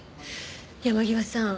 山際さん。